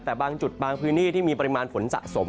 แต่บางจุดบางพื้นที่ที่มีปริมาณฝนสะสม